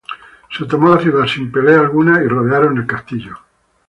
Se tomó la ciudad sin pelea alguna, y rodearon el castillo.